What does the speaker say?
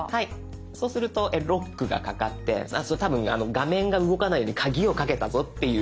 そうするとロックがかかって多分画面が動かないように鍵をかけたぞっていう。